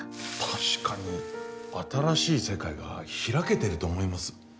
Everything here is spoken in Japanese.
確かに新しい世界が開けていると思います。